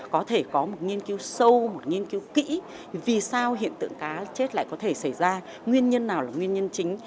có thể có một nghiên cứu sâu một nghiên cứu kỹ vì sao hiện tượng cá chết lại có thể xảy ra nguyên nhân nào là nguyên nhân chính